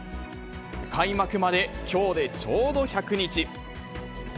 開幕まできょうでちょうど１００日。